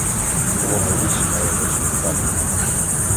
Оломоуц має низку парків.